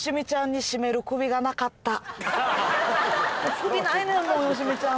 首ないねんもんよしみちゃん